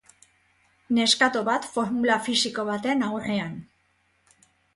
Neskato bat formula fisiko baten aurrean.